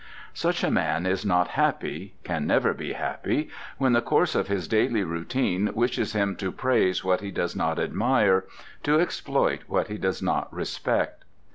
Such a man is not happy, can never be happy, when the course of his daily routine wishes him to praise what he does not admire, to exploit what he does not respect.